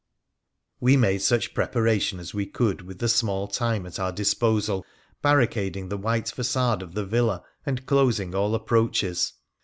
We made such preparation as we could with the small time at our disposal, barricading the white facade of the villa and closing all approaches.